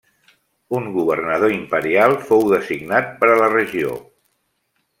Un governador imperial fou designat per a la regió.